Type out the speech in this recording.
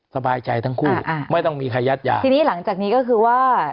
สบายใจทั้งคู่อ่าไม่ต้องมีใครยัดยาทีนี้หลังจากนี้ก็คือว่า